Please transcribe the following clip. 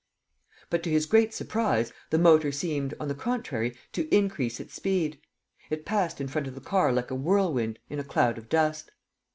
But, to his great surprise, the motor seemed, on the contrary, to increase its speed. It passed in front of the car like a whirlwind, in a cloud of dust.